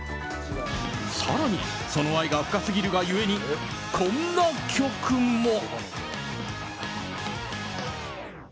更に、その愛が深すぎるがゆえにこんな曲も。